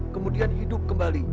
kemudian hidup kembali